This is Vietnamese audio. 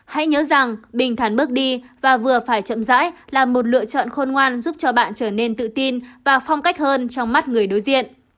hãy nhớ rằng bình thản bước đi và vừa phải chậm dãi là một lựa chọn khôn ngoan giúp cho bạn trở nên tự tin và phong cách hơn trong mắt người đối diện